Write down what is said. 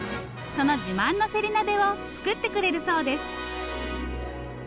その自慢のせり鍋を作ってくれるそうです。